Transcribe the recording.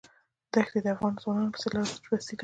دښتې د افغان ځوانانو لپاره دلچسپي لري.